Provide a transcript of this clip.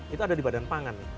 itu ada di badan pangan